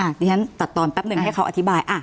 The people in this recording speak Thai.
เดี๋ยวฉันตัดตอนแป๊บหนึ่งให้เขาอธิบาย